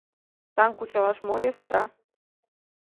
Таҥ кучалаш мо йӧсӧ да -